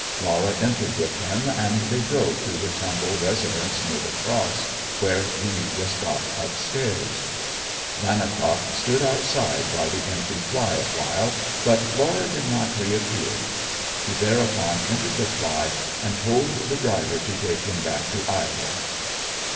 Laura entered with him, and they drove to his humble residence near the Cross, where he was got upstairs. Vannicock stood outside by the empty fly awhile, but Laura did not reappear. He thereupon entered the fly and told the driver to take him back to Ivell.